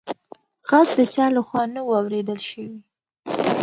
غږ د چا لخوا نه و اورېدل شوې.